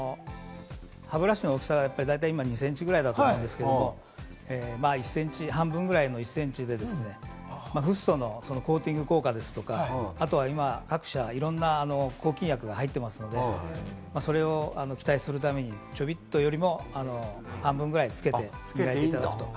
歯ブラシの大きさ、だいだい２センチくらいだと思うんですけど、半分くらいの１センチで、フッ素のコーティング効果ですとか、あとは今、各社からいろんな抗菌薬が入っていますので、それを期待するためにちょびっとよりも半分くらいつけて。